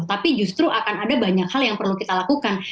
tapi justru akan ada banyak hal yang perlu kita lakukan